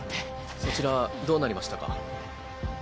そちらはどうなりましたか？